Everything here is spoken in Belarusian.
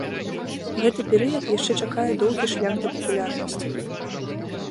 Гэты перыяд яшчэ чакае доўгі шлях да папулярнасці.